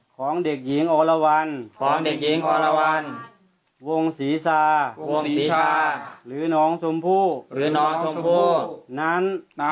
ของเด็กหญิงโอลวัลวงศรีสาหรือน้องสมภูนั้น